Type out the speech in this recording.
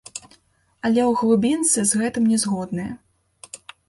Але ў глыбінцы з гэтым не згодныя.